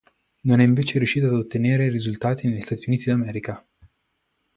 Non è invece riuscita a ottenere risultati negli Stati Uniti d'America.